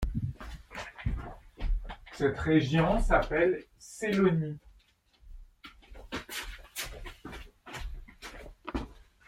Cette région s'appelle Sélonie.